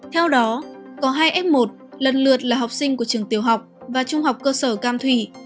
theo đó có hai f một lần lượt là học sinh của trường tiểu học và trung học cơ sở cam thủy